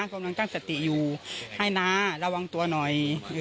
ก็ตั้งสติอยู่ให้ล่ะระวังตัวหน่อย